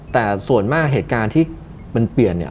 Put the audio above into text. แต่ส่วนมากเหตุการณ์ที่มันเปลี่ยนเนี่ย